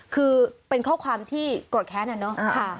คือเป็นข้อความที่กดแค้นน่ะ